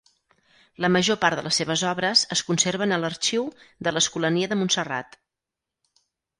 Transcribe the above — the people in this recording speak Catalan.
La major part de les seves obres es conserven a l'arxiu de l'Escolania de Montserrat.